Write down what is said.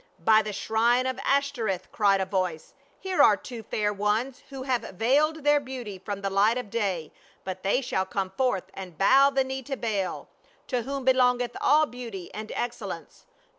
"By the shrine of Ashtoreth !" cried a voice, " here are two fair ones, who have veiled their beauty from the light of day, but they shall come forth and bow the knee to Baal — to whom belongeth all beauty and ex cellence."